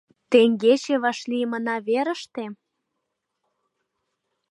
— Теҥгече вашлиймына верыште?